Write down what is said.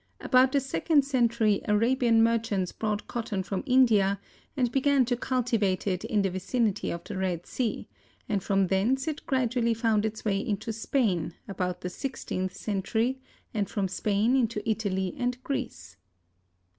About the second century Arabian merchants brought cotton from India and began to cultivate it in the vicinity of the Red Sea, and from thence it gradually found its way into Spain about the sixteenth century, and from Spain into Italy and Greece.